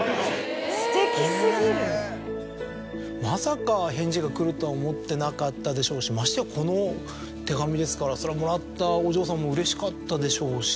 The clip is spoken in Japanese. まさか返事が来るとは思ってなかったでしょうしましてやこの手紙ですからそれはもらったお嬢さんもうれしかったでしょうしね。